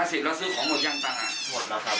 ๓๕๐บาทแล้วซื้อของหมดยังตังค์อ่ะ